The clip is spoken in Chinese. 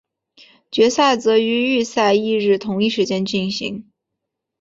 决赛则于预赛翌日同一时间进行。